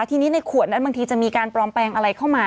ทีนี้ในขวดนั้นบางทีจะมีการปลอมแปลงอะไรเข้ามา